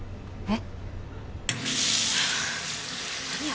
えっ？